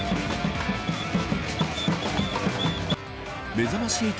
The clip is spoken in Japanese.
めざまし８